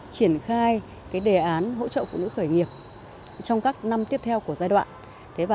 thay đề án hỗ trợ phụ nữ khởi nghiệp trong các năm tiếp theo của giai đoạn